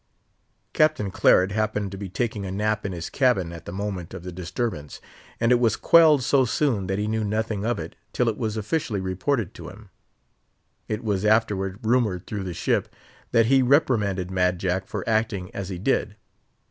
Captain Claret happened to be taking a nap in his cabin at the moment of the disturbance; and it was quelled so soon that he knew nothing of it till it was officially reported to him. It was afterward rumoured through the ship that he reprimanded Mad Jack for acting as he did.